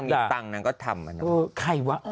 นางมีตังค์นางก็ทำเออใครวะ